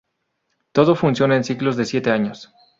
Todo funciona en ciclos de siete años.